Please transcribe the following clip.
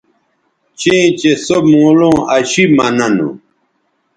چیئں چہء سو مولوں اشی مہ ننوں